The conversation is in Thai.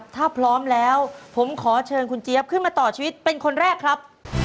ถ้าพร้อมแล้วผมขอเชิญคุณเจี๊ยบขึ้นมาต่อชีวิตเป็นคนแรกครับ